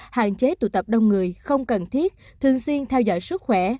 hạn chế tụ tập đông người không cần thiết thường xuyên theo dõi sức khỏe